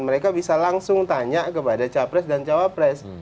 mereka bisa langsung tanya kepada capres dan cawapres